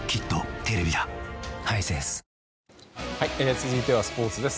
続いてはスポーツです。